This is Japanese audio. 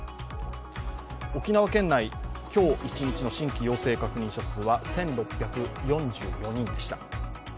沖縄県内、今日、一日の新規陽性確認者数は１６４４人でした。